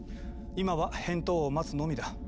今は返答を待つのみだ。